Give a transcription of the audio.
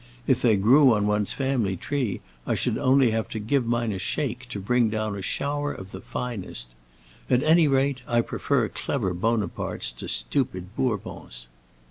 If they grew on one's family tree I should only have to give mine a shake to bring down a shower of the finest. At any rate, I prefer clever Bonapartes to stupid Bourbons."